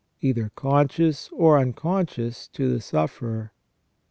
either conscious or unconscious to the sufferer.